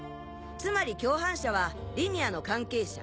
つまり共犯者はリニアの関係者。